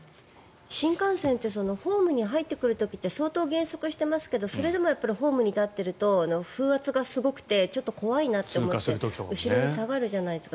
新幹線ってホームに入ってくる時って相当減速してますけどそれでもホームに立っていると風圧がすごくてちょっと怖いなって思って後ろに下がるじゃないですか。